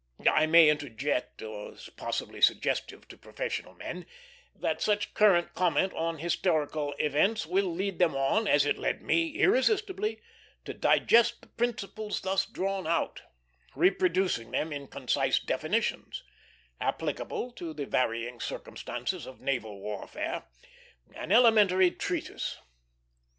I may interject, as possibly suggestive to professional men, that such current comment on historical events will lead them on, as it led me irresistibly, to digest the principles thus drawn out; reproducing them in concise definitions, applicable to the varying circumstances of naval warfare, an elementary treatise.